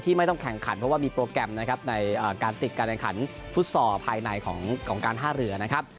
ไม่ต้องแข่งขันเพราะว่ามีโปรแกรมนะครับในการติดการแข่งขันฟุตซอลภายในของการท่าเรือนะครับ